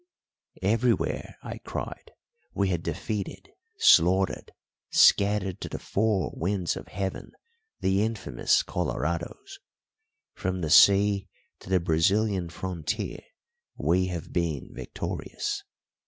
Everywhere, I cried, we had defeated, slaughtered, scattered to the four winds of heaven, the infamous Colorados. From the sea to the Brazilian frontier we have been victorious.